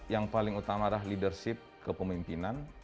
yang paling utama adalah leadership kepemimpinan